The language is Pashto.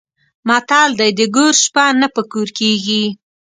متل دی: د ګور شپه نه په کور کېږي.